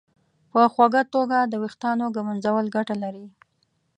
په خوږه توګه د ویښتانو ږمنځول ګټه لري.